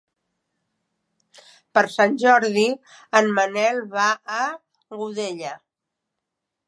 Per Sant Jordi en Manel va a Godella.